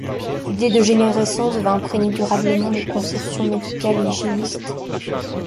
L'idée de dégénérescence va imprégner durablement les conceptions médicales et hygiénistes.